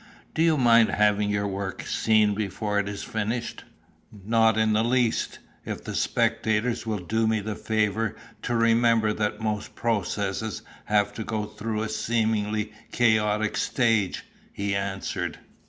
"Do you mind having your work seen before it is finished?" "Not in the least, if the spectators will do me the favour to remember that most processes have to go through a seemingly chaotic stage," he answered.